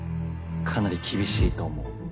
かなり厳しいと思う。